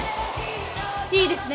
いいですね。